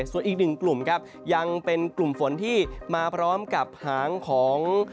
ส่วนอีกหนึ่งกลุ่มครับยังเป็นกลุ่มฝนที่มาพร้อมกับหางของ